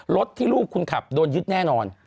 รถที่ลูกคุณขับโดนยึดแน่นอน